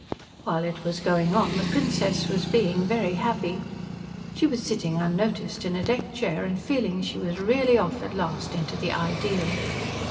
While it was going on the Princess was being very happy. She was sitting unnoticed in a deck chair and feeling she was really off at last into the Ideal.